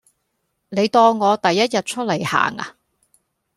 你當我第一日出來行呀